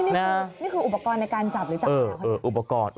นี่คืออุปกรณ์ในการจับหรือจับหน่า